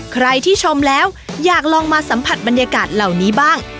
ใครที่ชมแล้วอยากลองมาสัมผัสบรรยากาศเหล่านี้บ้าง